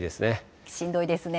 しんどいですね。